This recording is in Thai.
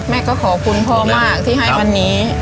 แม่ก็ขอบคุณพ่อมากที่ให้วันนี้